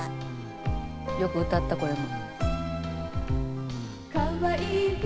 よく歌ったこれも。